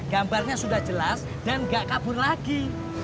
gamparnya sudah jelas dan gak kabur lagi